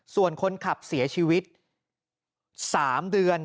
ส่วนคนขับเสียชีวิต๓เดือน